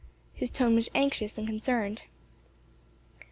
His tone was anxious and concerned.